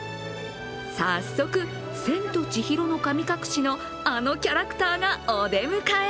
早速、「千と千尋の神隠し」のあのキャラクターがお出迎え。